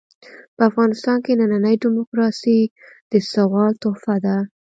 په افغانستان کې ننۍ ډيموکراسي د سوال تحفه ده.